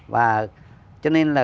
và cho nên là